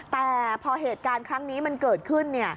แต่พอเหตุการณ์ครั้งนี้มันเกิดขึ้น